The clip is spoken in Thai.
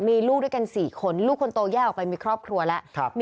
มีลูกด้วยกัน๔คนลูกคนโตแยกออกไปมีครอบครัวแล้ว